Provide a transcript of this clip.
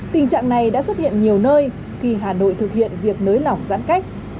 tình trạng này đã xuất hiện nhiều nơi khi hà nội thực hiện việc nới lỏng giãn cách